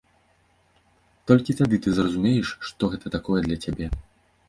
Толькі тады ты зразумееш, што гэта такое для цябе.